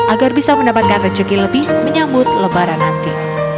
agar bisa mendapatkan rezeki lebih menyambut lebaran nanti